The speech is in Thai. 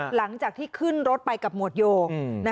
หลังจากที่ขึ้นรถไปกับหมวดโย